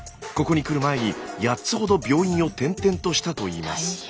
ここに来る前に８つほど病院を転々としたといいます。